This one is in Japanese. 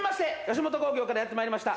吉本興業からやってまいりました